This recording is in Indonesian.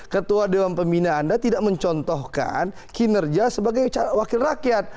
ketua dewan pembina anda tidak mencontohkan kinerja sebagai calon wakil rakyat